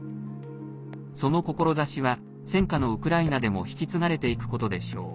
その志は、戦禍のウクライナでも引き継がれていくことでしょう。